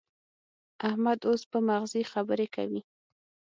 احمد اوس په مغزي خبرې کوي.